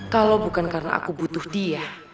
kalau bukan karena aku butuh dia